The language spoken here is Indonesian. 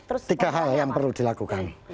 terus tiga hal yang perlu dilakukan